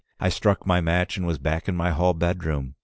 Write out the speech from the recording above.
I struck my match, and was back in my hall bedroom.